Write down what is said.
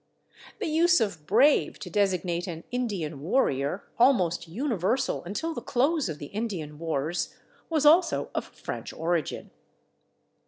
The use of /brave/ to designate an Indian warrior, almost universal until the close of the Indian wars, was also of French origin.